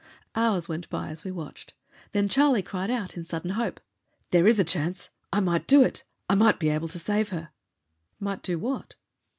Hours went by as we watched. Then Charlie cried out in sudden hope. "There's a chance! I might do it! I might be able to save her!" "Might do what?"